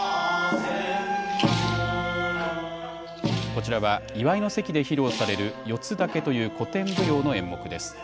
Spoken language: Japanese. こちらは祝いの席で披露される四つ竹という古典舞踊の演目です。